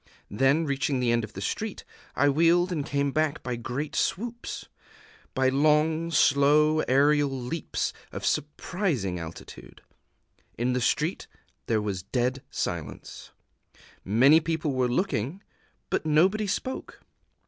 Then, reaching the end of the street, I wheeled and came back by great swoops, by long slow aerial leaps of surprising altitude. In the street there was dead silence: many people were looking; but nobody spoke.